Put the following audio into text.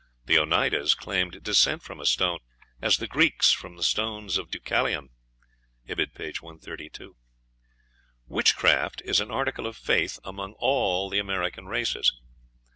The Oneidas claimed descent from a stone, as the Greeks from the stones of Deucalion. (Ibid., p. 132.) Witchcraft is an article of faith among all the American races.